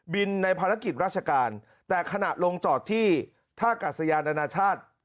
ในภารกิจราชการแต่ขณะลงจอดที่ท่ากาศยานานาชาติ